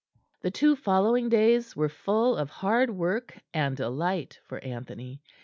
The two following days were full of hard work and delight for Anthony.